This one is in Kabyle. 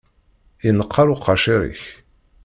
Yenqer uqacir-ik.